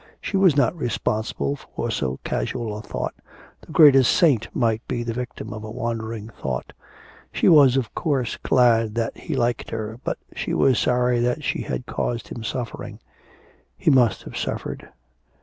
She was not responsible for so casual a thought, the greatest saint might be the victim of a wandering thought. She was, of course, glad that he liked her, but she was sorry that she had caused him suffering. He must have suffered.